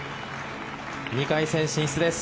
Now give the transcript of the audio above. ２回戦進出です。